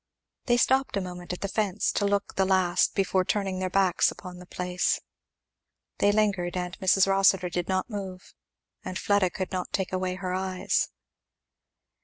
They stopped a moment at the fence to look the last before turning their backs upon the place. They lingered, and still Mrs. Rossitur did not move, and Fleda could not take away her eyes.